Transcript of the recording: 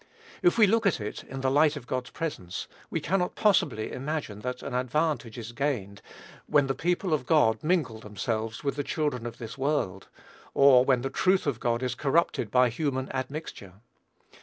If we look at it in the light of God's presence, we cannot possibly imagine that an advantage is gained when the people of God mingle themselves with the children of this world; or when the truth of God is corrupted by human admixture.